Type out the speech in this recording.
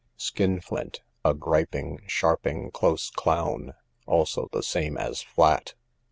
Skin flint, a griping, sharping, close clown; also, the same as flat.